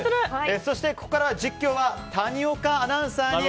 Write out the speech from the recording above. そして、ここから実況は谷岡アナウンサーに